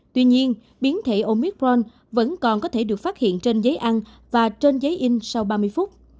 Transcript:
tuy nhiên biến thể omicron vẫn còn có thể được phát hiện trên giấy ăn và trên giấy in sau ba mươi phút